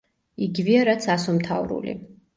იგივეა, რაც ასომთავრული.